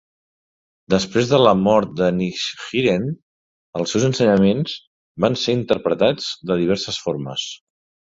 Després de la mort de Nichiren, els seus ensenyaments van ser interpretats de diverses formes.